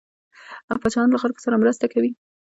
پاچا له خلکو سره مرسته کوي.